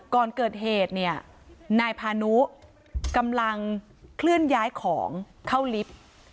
ก่อนเกิดเหตุเนี่ยนายพานุกำลังเคลื่อนย้ายของเข้าลิฟต์